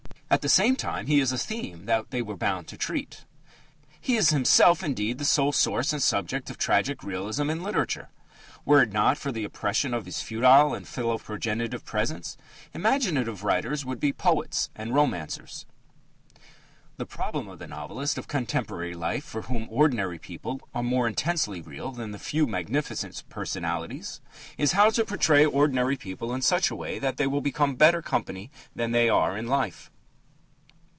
At the same time he is a theme that they were bound to treat. He is himself, indeed, the sole source and subject of tragic realism in literature. Were it not for the oppression of his futile and philoprogenitive presence, imaginative writers would be poets and romancers. The problem of the novelist of contemporary life for whom ordinary people are more intensely real than the few magnificent personalities is how to portray ordinary people in such a way that they will become better company than they are in life.